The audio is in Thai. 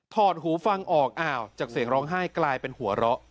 หูฟังออกอ้าวจากเสียงร้องไห้กลายเป็นหัวเราะ